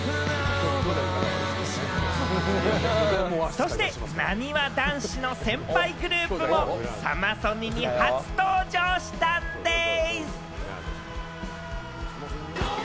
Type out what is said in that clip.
そして、なにわ男子の先輩グループもサマソニに初登場したんでぃす。